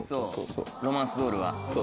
そうロマンスドールは。